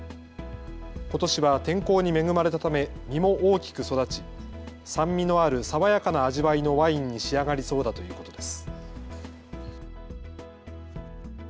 ことしは天候に恵まれたため実も大きく育ち酸味のある爽やかな味わいのワインに仕上がりそうだということです。